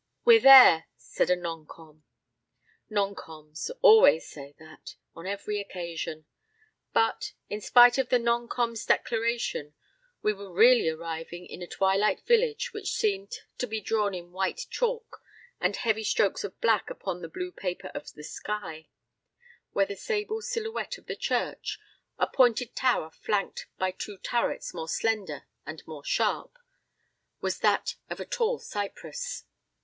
"We're there," said a non com. Non coms. always say that, on every occasion. But in spite of the non com.'s declaration we were really arriving in a twilight village which seemed to be drawn in white chalk and heavy strokes of black upon the blue paper of the sky, where the sable silhouette of the church a pointed tower flanked by two turrets more slender and more sharp was that of a tall cypress.